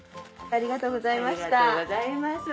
ありがとうございます。